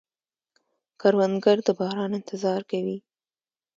کروندګر د باران انتظار کوي